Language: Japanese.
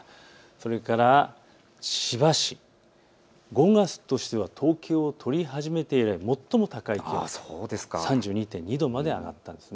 それから千葉市、５月としては統計を取り始めて以来、最も高い３２．２度まで上がったんです。